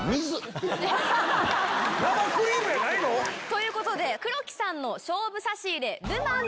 生クリームやないの⁉黒木さんの勝負差し入れ。